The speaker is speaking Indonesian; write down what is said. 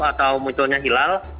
atau munculnya hilal